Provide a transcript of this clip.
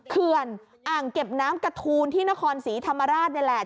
เขื่อนอ่างเก็บน้ำกระทูลที่นครศรีธรรมราชนี่แหละ